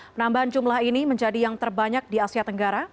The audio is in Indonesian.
penambahan jumlah ini menjadi yang terbanyak di asia tenggara